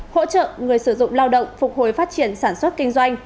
hỗ trợ người sử dụng lao động phục hồi phát triển sản xuất kinh doanh